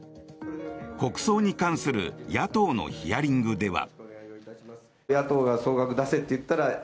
国葬に関する野党のヒアリングでは。